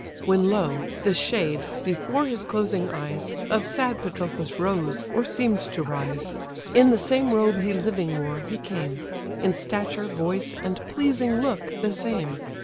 When lo! the shade, before his closing eyes, Of sad Patroclus rose, or seem'd to rise: In the same robe he living wore, he came: In stature, voice, and pleasing look, the same.